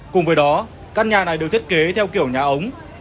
cùng với đó căn nhà này được thiết kế theo kiểu nhà ống